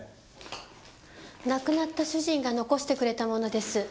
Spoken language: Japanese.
亡くなった主人が残してくれた物です。